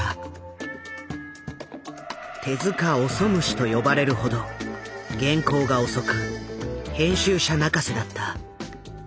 「手オソムシ」と呼ばれるほど原稿が遅く編集者泣かせだった。